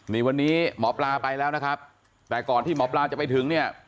นี่วันนี้หมอปลาไปแล้วนะครับแต่ก่อนที่หมอปลาจะไปถึงเนี่ย